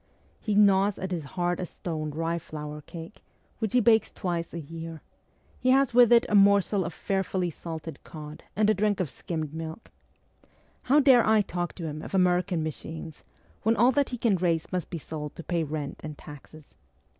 He gnaws at his hard as a stone rye flour cake, which he bakes twice a year ; he has with it a morsel of fearfully salted cod and a drink of skimmed milk. How dare I talk to him of American machines, when all that he can raise must be sold to pay rent and taxes